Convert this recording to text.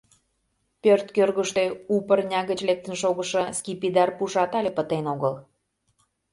Пӧрт кӧргыштӧ у пырня гыч лектын шогышо скипидар пушат але пытен огыл.